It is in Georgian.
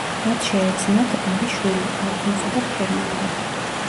მათ შეეძნათ ორი შვილი ალფონსო და ფერნანდო.